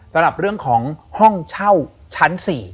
สำหรับเรื่องของห้องเช่าชั้น๔